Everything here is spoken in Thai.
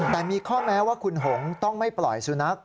แต่มีข้อแม้ว่าคุณหงต้องไม่ปล่อยสุนัข